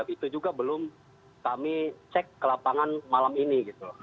itu juga belum kami cek ke lapangan malam ini gitu